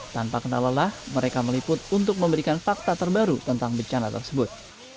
tanpa kena lelah mereka meliput untuk memberikan fakta terbaru tentang bencana tersebut